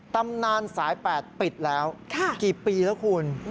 ตำนานสาย๘ปิดแล้วกี่ปีแล้วคุณ